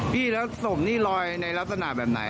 พี่แล้วศพนี่ลอยในลักษณะแบบไหน